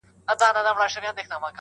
زه چي هر قدم ایږدمه هر ګړی دي یادومه٫